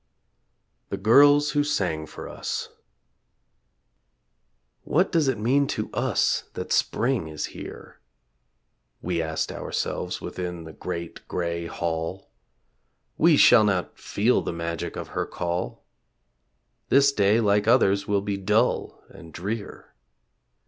THE GIRLS WHO SANG FOR US What does it mean to us that Spring is here? We asked ourselves within the great grey hall. We shall not feel the magic of her call; This day, like others, will be dull and drear.